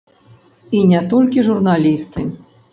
І не толькі журналісты.